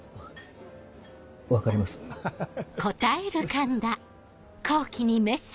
分かります。ハハハ。